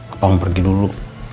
apa mau pergi dulu